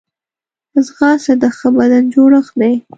ځغاسته د ښه بدن جوړښت دی